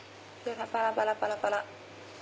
パラパラパラパラ。